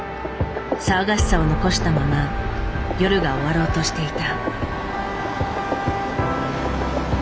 騒がしさを残したまま夜が終わろうとしていた。